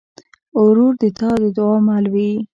ورور د تا د دعا مل وي.